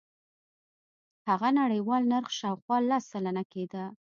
هغه د نړیوال نرخ شاوخوا لس سلنه کېده.